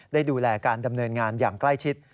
ได้ดูแลการดำเนินงานอย่างใกล้ชิด